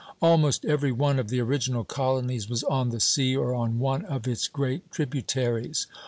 Almost every one of the original colonies was on the sea or on one of its great tributaries.